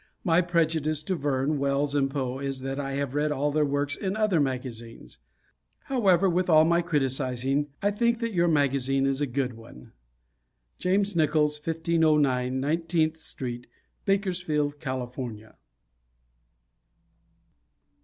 My prejudice to Verne, Wells and Poe is that I have read all their works in other magazines. However, with all my criticizing, I think that your magazine is a good one. James Nichols, 1509 19th Street, Bakersfield, California.